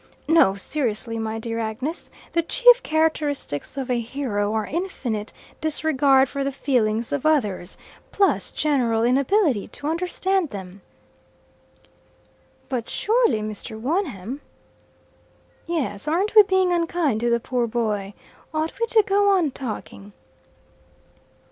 No, seriously, my dear Agnes, the chief characteristics of a hero are infinite disregard for the feelings of others, plus general inability to understand them." "But surely Mr. Wonham " "Yes; aren't we being unkind to the poor boy. Ought we to go on talking?"